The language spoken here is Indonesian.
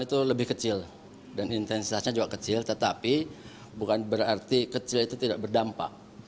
itu lebih kecil dan intensitasnya juga kecil tetapi bukan berarti kecil itu tidak berdampak